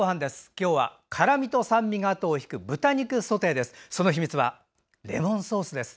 今日は、辛みと酸味があとを引く豚肉ソテーです。